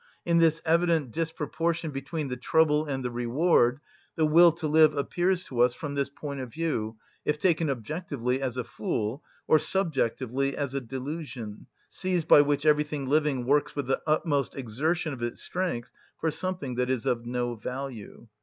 In this evident disproportion between the trouble and the reward, the will to live appears to us from this point of view, if taken objectively, as a fool, or subjectively, as a delusion, seized by which everything living works with the utmost exertion of its strength for something that is of no value.